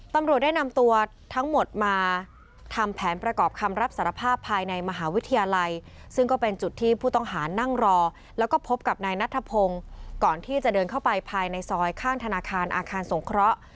ตำรวจได้นำตัวทั้งหมดมาทำแผนประกอบคำรับสารภาพภายในมหาวิทยาลัยซึ่งก็เป็นจุดที่ผู้ต้องหานั่งรอแล้วก็พบกับนายนัทพงศ์ก่อนที่จะเดินเข้าไปภายในซอยข้างธนาคารอาคารสงเคราะห์